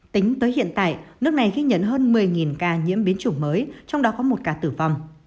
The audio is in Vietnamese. tính tới hiện tại nước này ghi nhận hơn một mươi ca nhiễm biến chủng mới trong đó có một ca tử vong